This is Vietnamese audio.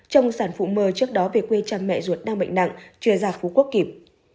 trong sản phụ mờ trước đó về quê cha mẹ ruột đang bệnh nặng chưa ra phú quốc kịp